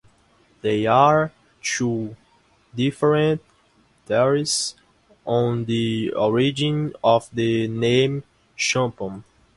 There are two different theories on the origin of the name Chumphon.